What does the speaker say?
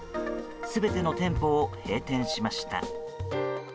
全ての店舗を閉店しました。